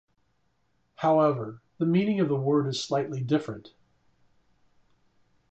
However, the meaning of the word is slightly different.